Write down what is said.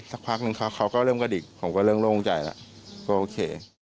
สักพักนึงเขาก็เริ่มกระดิกผมก็เริ่มโล่งใจแล้วก็โอเค